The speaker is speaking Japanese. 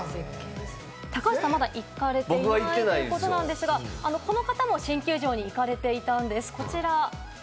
高橋さんはまだ行かれてないということですが、この方も新球場に行かれていたんです、こちら。